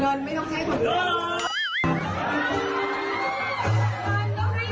ทางเนี่ยก็ให้ดูแลสุขภาพเยอะ